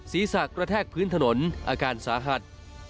ศีรษะกระแทกพื้นถนนอาการสาหัส